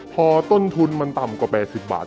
พอต้นทุนมันต่ำกว่า๘๐บาท